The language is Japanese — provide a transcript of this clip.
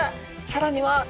さらには。